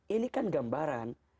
ini kan gambaran